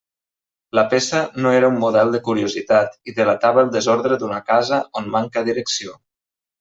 La peça no era un model de curiositat i delatava el desordre d'una casa on manca direcció.